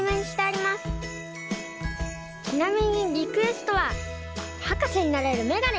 ちなみにリクエストははかせになれるメガネ！